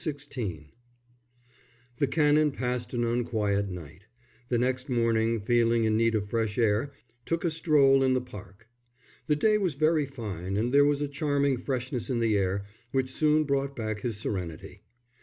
XVI The Canon passed an unquiet night; and next morning, feeling in need of fresh air, took a stroll in the Park. The day was very fine, and there was a charming freshness in the air which soon brought back his serenity.